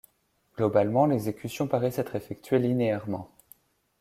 Globalement, l'exécution paraît s'être effectuée linéairement.